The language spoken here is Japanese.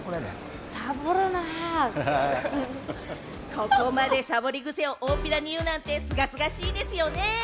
ここまでサボり癖をおおっぴらに言うなんて、すがすがしいですよね。